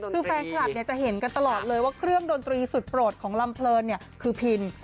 คือแฟนคลับจะเห็นกันตลอดเลยว่าเครื่องดนตรีสุดโปรดของลำเพลินคือพิน